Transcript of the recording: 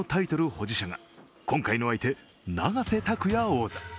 保持者が今回の相手、永瀬拓矢王座。